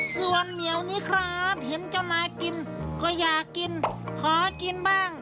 ส่วนเหนียวนี้ครับเห็นเจ้านายกินก็อยากกินขอกินบ้าง